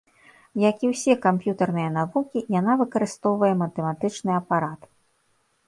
Як і ўсе камп'ютарныя навукі, яна выкарыстоўвае матэматычны апарат.